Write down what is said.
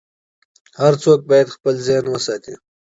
هر څوک باید خپل ذهن وساتي.